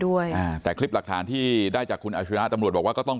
อ่าแต่คลิปหลักฐานที่ได้จากคุณอาชิระตำรวจบอกว่าก็ต้อง